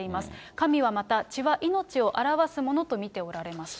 神はまた血は命を表すものと見ておられますと。